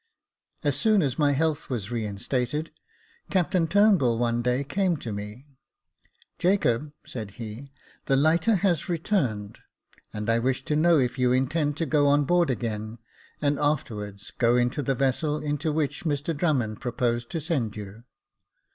As soon as my health was reinstated, Captain Turnbull one day came to me. *' Jacob," said he, " the lighter has returned : and I wish to know if you intend to go on board again, and afterwards go into the vessel into which Mr Drummond proposes to send you."